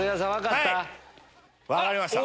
分かりました。